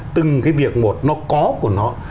từng cái việc một nó có của nó